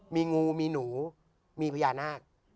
มีงูมีหนูมีพญานาค